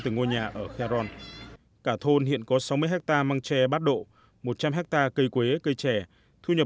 từng ngôi nhà ở khe ron cả thôn hiện có sáu mươi ha mang tre bát độ một trăm linh ha cây quế cây trẻ thu nhập